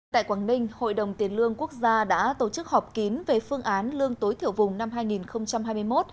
tại quảng ninh hội đồng tiền lương quốc gia đã tổ chức họp kín về phương án lương tối thiểu vùng năm hai nghìn hai mươi một